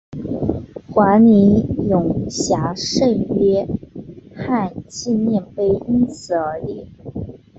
黄泥涌峡圣约翰纪念碑因此而立。